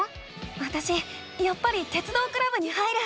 わたしやっぱり鉄道クラブに入る。